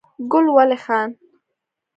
ګل ولي خان